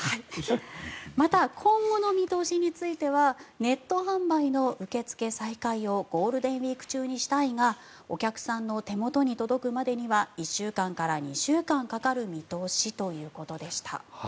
また、今後の見通しについてはネット販売の受け付け再開をゴールデンウィーク中にしたいがお客さんの手元に届くまでには１週間から２週間かかる見通しということでした。